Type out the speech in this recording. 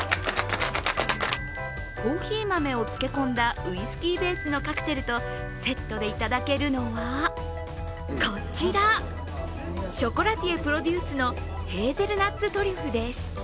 コーヒー豆をつけこんだウイスキーベースのカクテルとセットでいただけるのはこちら、ショコラティエプロデュースのヘーゼルナッツトリュフです。